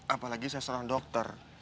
apalagi saya serang dokter